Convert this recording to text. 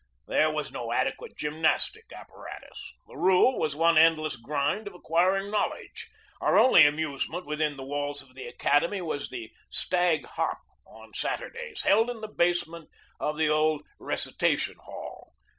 There was no adequate gymnastic apparatus. The rule was one endless grind of acquiring knowledge. Our only amusement within the walls of the academy was the "stag hop" on Saturdays, held in the basement 1 8 GEORGE DEWEY of the old recitation hall.